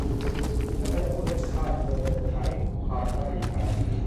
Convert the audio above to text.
แต่ถ้าจะพูดให้สุภาพ เธอจะใช้คำว่าดิฉัน